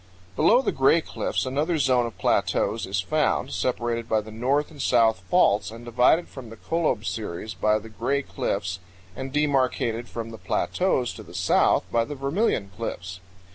Below the Gray Cliffs another zone of plateaus is found, separated by the north and south faults and divided from the Colob series by the Gray Cliffs and demarcated from the plateaus to the south by the Vermilion Cliffs.